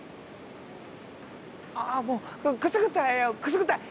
あもうくすぐったいくすぐったい！